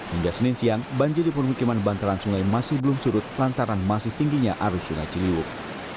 hingga senin siang banjir di permukiman bantaran sungai masih belum surut lantaran masih tingginya arus sungai ciliwung